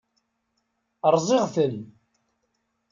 Rẓiɣ-ten.